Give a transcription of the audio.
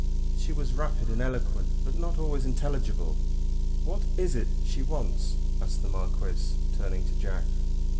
She was rapid and eloquent, but not always intelligible. "What is it she wants?" asked the Marquis, turning to Jack.